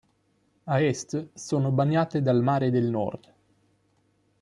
A est sono bagnate dal Mare del Nord.